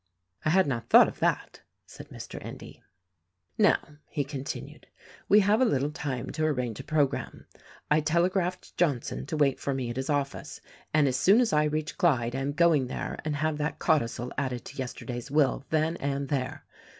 "I had not thought of that," said Mr. Endy. "Now," he continued, "we have a little time to arrange a programme. I telegraphed Johnson to wait for me at his office, and as soon as I reach Clyde I am going there and have that codicil added to yesterday's will then and there.